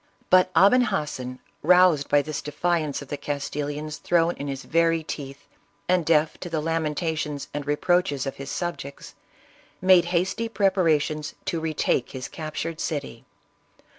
But Aben Hassan, roused by this defiance of the Castilians thrown in his very teeth, and deaf to the lamentations and reproaches of his subjects, made hasty preparations to retake his captured city.